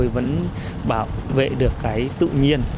vẫn bảo vệ được cái tự nhiên